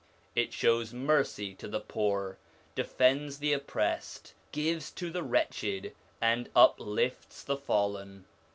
It shows mercy to the poor, defends the oppressed, gives to the wretched, and uplifts the fallen.